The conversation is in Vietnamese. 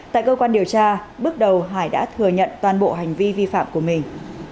tại cơ quan điều tra bước đầu hải đã thừa nhận toàn bộ hành vi vi phạm của mình